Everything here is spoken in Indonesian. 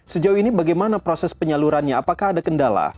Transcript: sejauh ini bagaimana proses penyalurannya apakah ada kendala